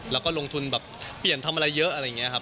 แล้วก็ลงทุนแบบเปลี่ยนทำอะไรเยอะอะไรอย่างนี้ครับ